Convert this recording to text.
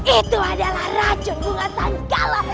itu adalah racun bunga sangkala